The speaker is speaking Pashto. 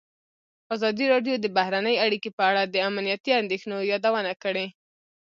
ازادي راډیو د بهرنۍ اړیکې په اړه د امنیتي اندېښنو یادونه کړې.